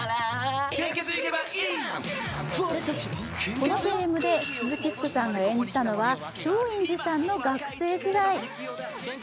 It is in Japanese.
このＣＭで鈴木福さんが演じたのは松陰寺さんの学生時代。